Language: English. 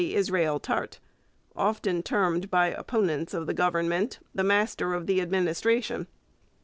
Israel Tarte, often termed by opponents of the Government the 'Master of the Administration.'